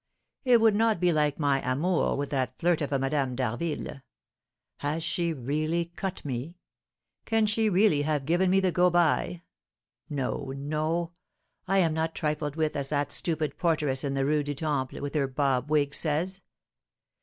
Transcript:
It would not be like my amour with that flirt of a Madame d'Harville. Has she really cut me? Can she really have given me the 'go by?' No, no! I am not trifled with as that stupid porteress in the Rue du Temple, with her bob wig, says.